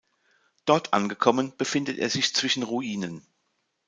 Dort angekommen befindet er sich zwischen Ruinen.